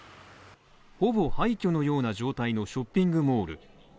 ほぼ廃虚のような状態のショッピングモール。